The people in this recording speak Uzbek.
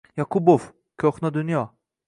Yoqubov, Koʻhna dunyo